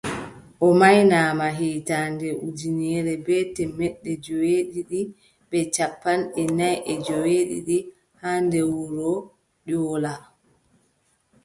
O maynaama hitaande ujineere bee temeɗɗe joweetati bee cappanɗe nay e joweeɗiɗi haa nder wuro Ƴoola.